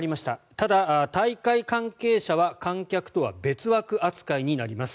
ただ、大会関係者は観客とは別枠扱いになります。